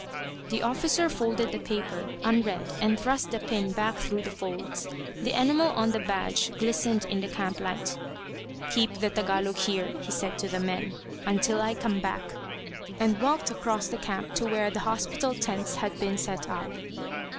The officer folded the paper, unread, and thrust the pin back through the folds. The enamel on the badge glistened in the camp light. "Keep the Tagalog here," he said to the men, "until I come back;" and walked across the camp to where the hospital tents had been set up.